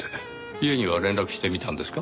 家には連絡してみたんですか？